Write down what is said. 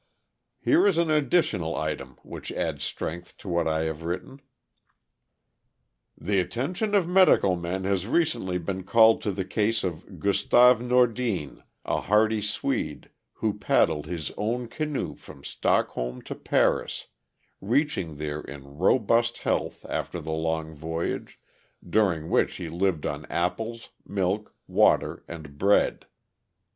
Here is an additional item which adds strength to what I have written: "The attention of medical men has recently been called to the case of Gustav Nordin, a hardy Swede who paddled his own canoe from Stockholm to Paris, reaching there in robust health after the long voyage, during which he lived on apples, milk, water, and bread.